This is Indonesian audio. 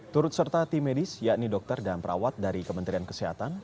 turut serta tim medis yakni dokter dan perawat dari kementerian kesehatan